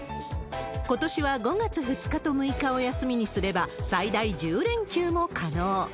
ことしは５月２日と６日を休みにすれば、最大１０連休も可能。